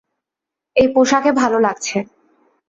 এই পোষাকে ভাল লাগছে।